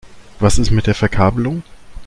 Was ist mit der Verkabelung?